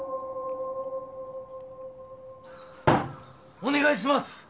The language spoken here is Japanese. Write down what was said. お願いします